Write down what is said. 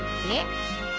えっ？